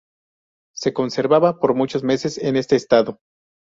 Se conservaba por muchos meses en este estado.